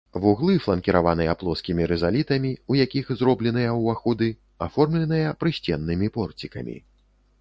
Вуглы фланкіраваныя плоскімі рызалітамі, у якіх зробленыя ўваходы, аформленыя прысценнымі порцікамі.